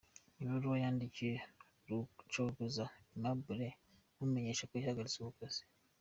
Ibaruwa yandikiwe Rucogoza Aimable imumenyesha ko yahagaritswe ku kazi.